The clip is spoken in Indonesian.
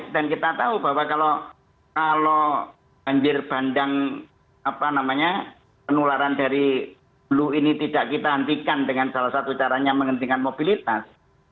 dan kita tahu bahwa kalau banjir bandang penularan dari luh ini tidak kita hentikan dengan salah satu caranya menghentikan mobilitas